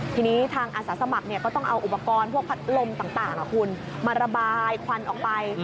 ทีนี้ทางอาสาสมัครก็ต้องเอาอุปกรณ์พวกพัดลมต่างคุณมาระบายควันออกไป